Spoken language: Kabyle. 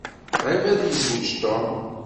Qṛib ad yezweǧ Tom.